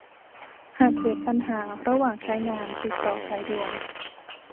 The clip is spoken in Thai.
หากเกิดปัญหาระหว่างใช้งาน ติดต่อสายด่วน